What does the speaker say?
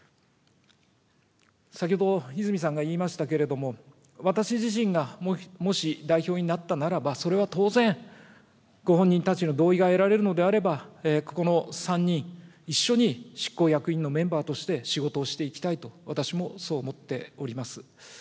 先ほど泉さんが言いましたけれども、私自身がもし代表になったならば、それは当然、ご本人たちの同意が得られるのであれば、ここの３人、一緒に執行役員のメンバーとして仕事をしていきたいと、私もそう思っております。